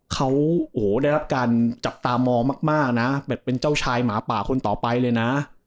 เขาโอ้โหได้รับการจับตามองมากนะแบบเป็นเจ้าชายหมาป่าคนต่อไปเลยนะ